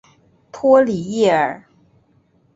托里耶尔。